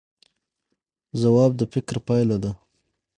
ځواب د فکر پایله ده